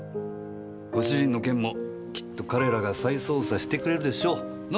ご主人の件もきっと彼らが再捜査してくれるでしょう。な？